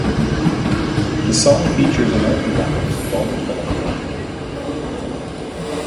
The song features American rappers Don Toliver and Kid Cudi.